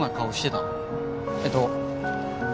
えーっと。